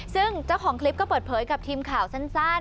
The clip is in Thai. ซึ่งเจ้าของคลิปก็เปิดเผยกับทีมข่าวสั้น